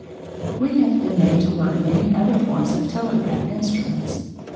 We have been made to work many other forms of telegraph instruments.